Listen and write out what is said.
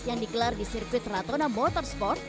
yang dikelar di sirkuit rato nabotor sport